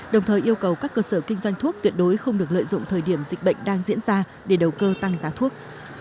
đồng thời yêu cầu các cơ sở kinh doanh thuốc tuyệt đối không được lợi dụng thời điểm dịch bệnh đang diễn ra để đầu cơ tăng giá thuốc